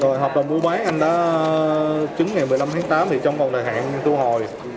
rồi hợp đồng vũ bán anh đã chứng ngày một mươi năm tháng tám thì trong còn đài hạn thu hồi